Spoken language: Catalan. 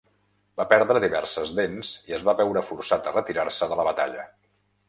Va perdre diverses dents i es va veure forçat a retirar-se de la batalla.